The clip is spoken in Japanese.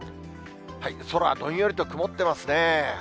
空、どんよりと曇ってますね。